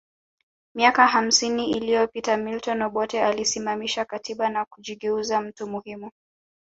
Miaka hamsini iliyopita Milton Obote aliisimamisha katiba na kujigeuza mtu muhimu